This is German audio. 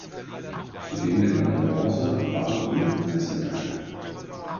Zudem gewann er Bronze am Barren und Einzelmehrkampf.